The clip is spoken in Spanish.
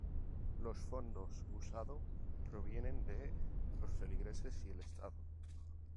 Los fondos usado provienen de los feligreses y el Estado.